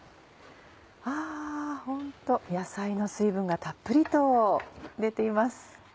わぁホント野菜の水分がたっぷりと出ています。